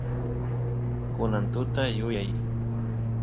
kunan tuta yuyay